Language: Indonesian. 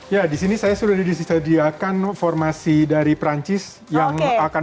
ya disini saya sudah disediakan formasi dari perancis yang akan berjalan